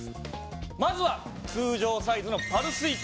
まずは通常サイズのパルスイクロス。